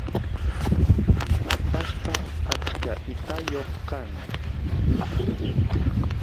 atashpa achka itayoq kan